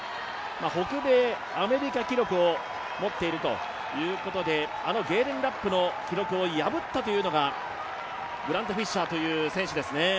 北米、アメリカ記録を持っているということで、あのゲーレン・ラップの記録を破ったというのがグラント・フィッシャーという選手ですね。